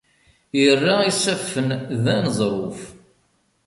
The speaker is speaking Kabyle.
Irra isaffen d aneẓruf.